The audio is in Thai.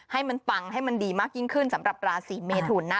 ให้มันปังให้มันดีมากยิ่งขึ้นสำหรับราศีเมทุนนะ